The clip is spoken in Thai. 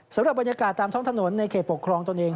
สำหรับบรรยากาศตามท้องถนนในเขตปกครองตนเอง